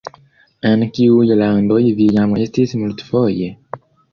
En kiuj landoj vi jam estis multfoje?